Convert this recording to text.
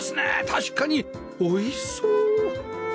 確かに美味しそう！